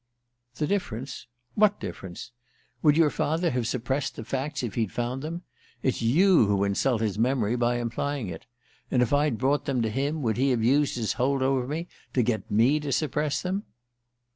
"The difference? What difference? Would your father have suppressed the facts if he'd found them? It's you who insult his memory by implying it! And if I'd brought them to him, would he have used his hold over me to get me to suppress them?"